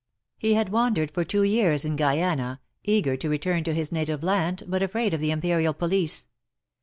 He had wandered for two years in Guyana, eager to return to his native land, but afraid of the Imperial police.